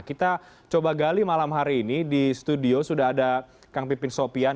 kita coba gali malam hari ini di studio sudah ada kang pipin sopian